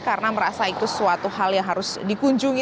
karena merasa itu suatu hal yang harus dikunjungi